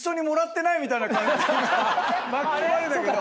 巻き込まれたけど。